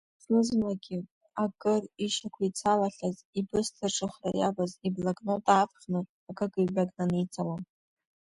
Зны-зынлагьы, акыр ишьақәицалахьаз ибысҭа-ҿахра иаваз иблокнот аавхны, акык-ҩбак наниҵалон.